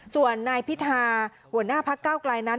ส่วนนายพิธาหัวหน้าพักเก้าไกลนั้น